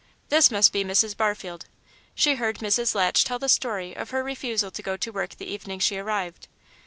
This must be Mrs. Barfield. She heard Mrs. Latch tell the story of her refusal to go to work the evening she arrived.